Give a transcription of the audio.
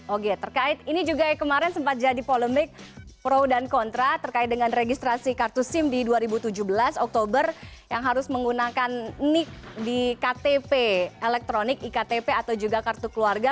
oke terkait ini juga kemarin sempat jadi polemik pro dan kontra terkait dengan registrasi kartu sim di dua ribu tujuh belas oktober yang harus menggunakan nic di ktp elektronik iktp atau juga kartu keluarga